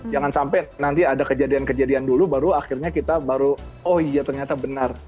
jangan sampai nanti ada kejadian kejadian dulu baru akhirnya kita baru oh iya ternyata benar